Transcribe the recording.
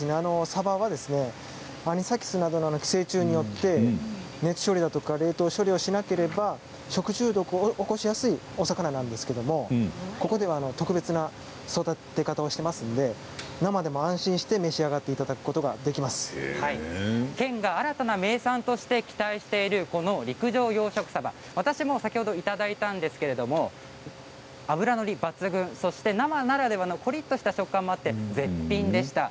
サバはアニサキスなどの寄生虫によって熱処理とか冷凍処理をしなければ食中毒を起こしやすいお魚なんですけれどここでは特別な育て方をしていますので生でも安心して召し上がっていただくことができます。県が新たな名産として期待している陸上養殖サバ、私も先ほどいただいたんですけれど脂乗り抜群、そして生ならではのこりっとした食感もあって絶品でした。